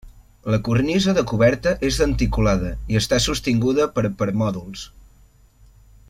La cornisa de coberta és denticulada i està sostinguda per permòdols.